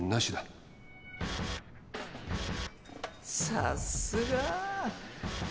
さすが。